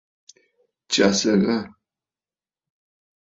Tsyàsə̀ ghâ.